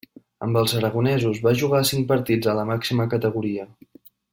Amb els aragonesos, va jugar cinc partits a la màxima categoria.